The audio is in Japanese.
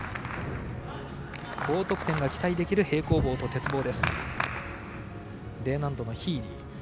高得点が期待できる平行棒と鉄棒。